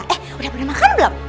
eh udah pernah makan belum